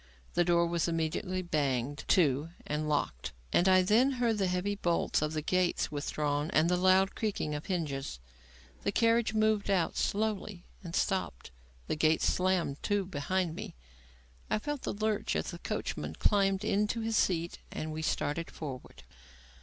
The door was immediately banged to and locked, and I then heard the heavy bolts of the gates withdrawn and the loud creaking of hinges. The carriage moved out slowly and stopped; the gates slammed to behind me; I felt the lurch as the coachman climbed to his seat and we started forward.